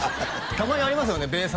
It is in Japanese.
たまにありますよねべ